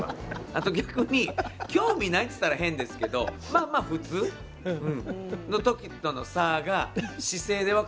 あと逆に興味ないと言ったら変ですけどまあまあ普通の時との差が姿勢で分かります。